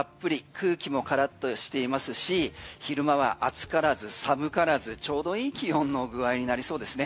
空気もからっとしていますし昼間は暑からず寒からずちょうど良い気温の具合になりそうですね。